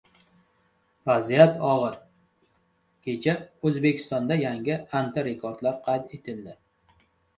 Vaziyat og‘ir: kecha O‘zbekistonda yangi antirekordlar qayd etildi